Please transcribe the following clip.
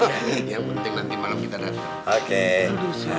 yang penting nanti malam kita datang